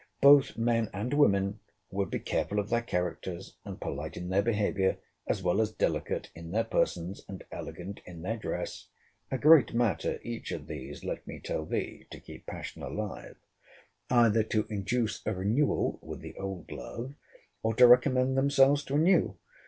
Both men and women would be careful of their characters and polite in their behaviour, as well as delicate in their persons, and elegant in their dress, [a great matter each of these, let me tell thee, to keep passion alive,] either to induce a renewal with the old love, or to recommend themselves to a new.